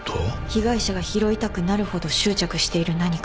被害者が拾いたくなるほど執着している何か。